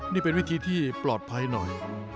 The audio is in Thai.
นี่เป็นวิธีที่ปลอดภัยหน่อย